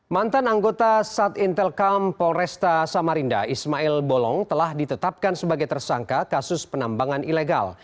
mantan anggota sat intelkam polresta samarinda ismail bolong telah ditetapkan sebagai tersangka kasus penambangan ilegal